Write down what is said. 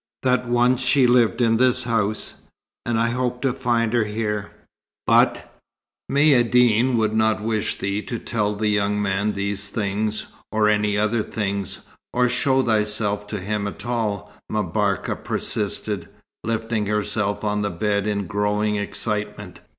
That once she lived in this house, and I hoped to find her here, but " "Maïeddine would not wish thee to tell the young man these things, or any other things, or show thyself to him at all," M'Barka persisted, lifting herself on the bed in growing excitement.